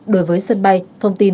đối với sân bay thông tin